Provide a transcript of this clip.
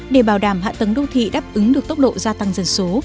để bảo đảm hạ tầng đô thị đáp ứng được tốc độ gia tăng dân số